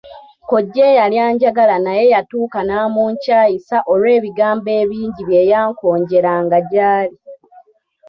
Kkojja eyali anjagala naye yatuuka n'amunkyayisa olw'ebigambo ebingi bye yankonjeranga gyali.